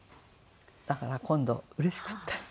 だから今度うれしくって。